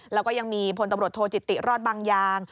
แล้วก็ยังมีพลตำรวจโทจิติรอดบางยาง